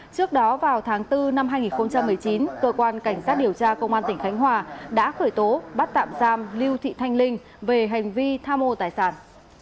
trước đó vào tháng bốn năm hai nghìn một mươi chín cơ quan cảnh sát điều tra công an tỉnh khánh hòa đã khởi tố bắt tạm giam lưu thị thanh linh về hành vi tham mô tài sản